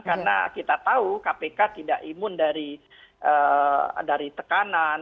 karena kita tahu kpk tidak imun dari tekanan